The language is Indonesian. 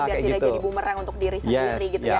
dan tidak jadi bumerang untuk diri sendiri gitu ya